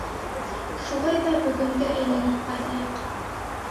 — Шулай ҙа бөгөнгә әйләнеп ҡайтайыҡ.